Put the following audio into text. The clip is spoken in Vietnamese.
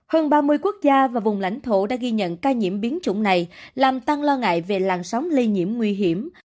hơn ba mươi quốc gia và vùng lãnh thổ đã ghi nhận ca nhiễm biến chủng này làm tăng lo ngại về làn sóng lây nhiễm nguy hiểm